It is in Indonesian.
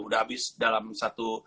udah abis dalam satu